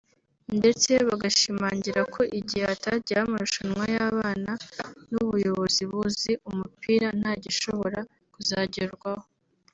ndetse bagashimangira ko igihe hatagiyeho amarushanwa y’abana n’ubuyobozi buzi umupira nta gishobora kuzagerwaho